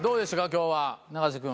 今日は永瀬君。